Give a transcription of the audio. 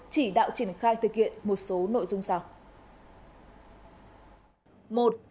chỉ đạo triển khai thực hiện một số nội dung sau